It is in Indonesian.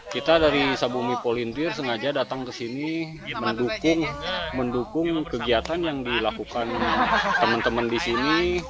kita dari sabumi polintir sengaja datang ke sini mendukung kegiatan yang dilakukan teman teman di sini